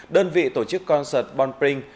đơn vị tổ chức concert bonpring